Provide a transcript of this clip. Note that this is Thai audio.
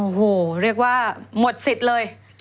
โอ้โหเรียกว่าหมดสิทธิ์เลย